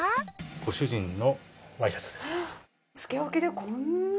ご主人のワイシャツです。